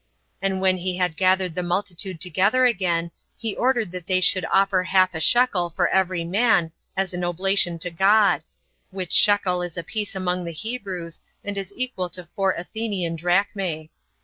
And when he had gathered the multitude together again, he ordained that they should offer half a shekel for every man, as an oblation to God; which shekel is a piece among the Hebrews, and is equal to four Athenian drachmae.